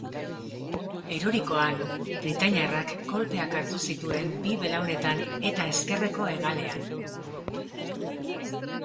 Erorikoan, britainiarrak kolpeak hartu zituen bi belaunetan eta ezkerreko hegalean.